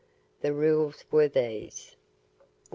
The rules were these: 1.